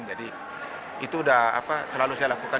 jadi itu sudah selalu saya lakukan